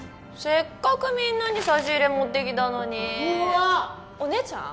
せっかくみんなに差し入れ持ってきたのにうわっお姉ちゃん？